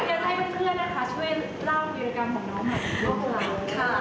อยากให้เพื่อนนะคะช่วยเล่าวิทยากรรมของน้องใหม่กับโลกเรา